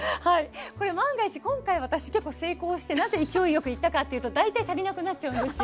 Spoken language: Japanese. これ万が一今回私結構成功してなぜ勢いよくいったかっていうと大体足りなくなっちゃうんですよ。